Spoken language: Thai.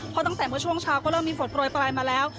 เพราะตั้งแต่เมื่อช่วงเช้าก็เริ่มมีฝนโปรยปลายมาแล้ว